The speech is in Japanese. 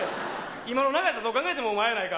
今の流れやったらどう考えてもお前やないか。